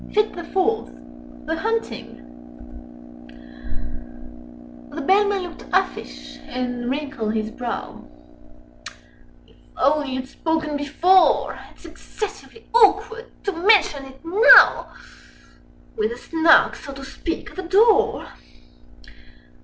Fit the fourth THE HUNTING The Bellman looked uffish, and wrinkled his brow. Â Â Â Â "If only you'd spoken before! It's excessively awkward to mention it now, Â Â Â Â With the Snark, so to speak, at the door!